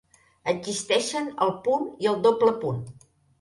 Existeixen el punt i el doble punt.